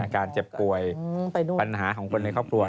การเจ็บป่วยปัญหาของคนในครอบครัว